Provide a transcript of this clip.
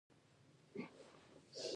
هغه په پوهنتون کې انجینري لولي او بریالۍ ده